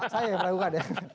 saya yang meragukan ya